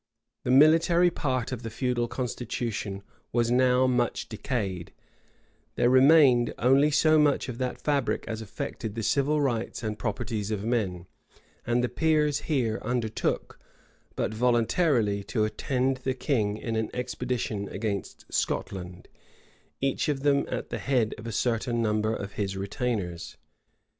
[] The military part of the feudal constitution was now much decayed: there remained only so much of that fabric as affected the civil rights and properties of men: and the peers here undertook, but voluntarily, to attend the king in an expedition against Scotland, each of them at the head of a certain number of his retainers.